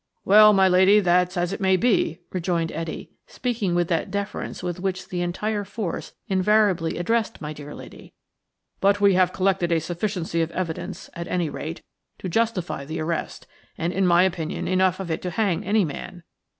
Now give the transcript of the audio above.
"Well, my lady, that's as it may be!" rejoined Etty, speaking with that deference with which the entire force invariably addressed my dear lady; "but we have collected a sufficiency of evidence, at any rate, to justify the arrest, and, in my opinion, enough of it to hang any man.